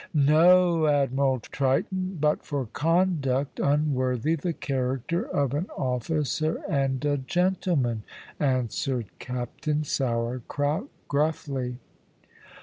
"No, Admiral Triton, but for conduct unworthy the character of an officer and a gentleman," answered Captain Sourcrout gruffly.